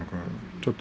ちょっと